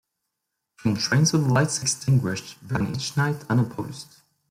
From trains with lights extinguished, ran each night unopposed.